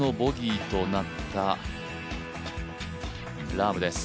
ラームです。